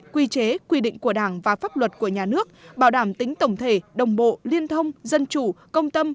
quy chế quy định của đảng và pháp luật của nhà nước bảo đảm tính tổng thể đồng bộ liên thông dân chủ công tâm